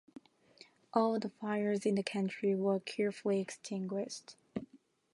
All the fires in the country were carefully extinguished.